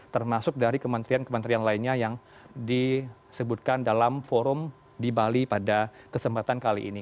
termasuk dari kementerian kementerian lainnya yang disebutkan dalam forum di bali pada kesempatan kali ini